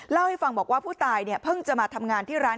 เล่าให้ฟังบอกว่าผู้ตายเนี่ยเพิ่งจะมาทำงานที่ร้าน